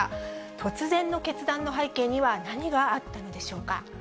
突然の決断の背景には何があったんでしょうか。